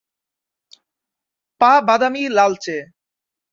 পা বাদামি-লালচে।